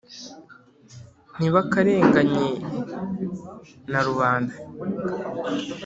Ntibakarenganye na Rubanda